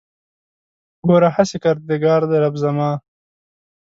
ګوره هسې کردګار دی رب زما